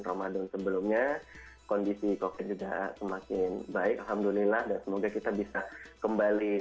ramadan sebelumnya kondisi covid juga semakin baik alhamdulillah dan semoga kita bisa kembali